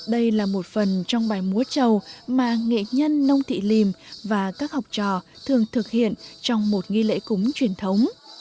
đây là một phần trong bài múa trầu mà nghệ nhân nông thị lìm và các học trò thường thực hiện trong một nghi lễ cúng truyền thống